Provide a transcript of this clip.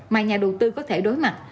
mà nhà đầu tư có thể đối mặt